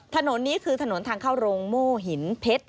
ถนนนี้คือถนนทางเข้าโรงโม่หินเพชร